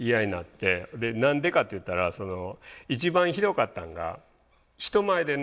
何でかっていったら一番ひどかったんが人前でね